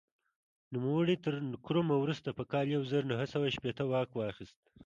نوموړي تر نکرومه وروسته په کال یو زر نهه سوه نهه شپېته واک واخیست.